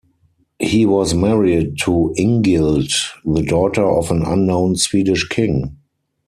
He was married to Ingild, the daughter of an unknown Swedish king.